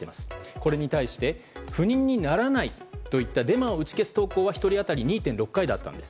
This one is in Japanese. これに対して不妊にならないといったデマを打ち消す投稿は１人当たり２．６回だったんです。